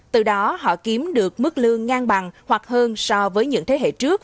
từ đó họ kiếm được mức lương ngang bằng hoặc hơn so với những thế hệ trước